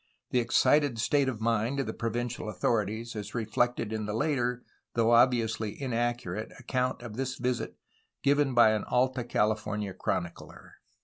The excited state of mind of the provincial authorities is reflected in the later, though ob viously inaccurate, account of this visit given by an Alta California chronicler.